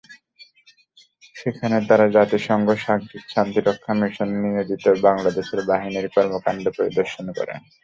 সেখানে তারা জাতিসংঘ শান্তিরক্ষা মিশনে নিয়োজিত বাংলাদেশের বাহিনীর কর্মকাণ্ড পরিদর্শন করে।